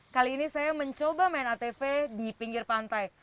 kali ini saya mencoba main atv di pinggir pantai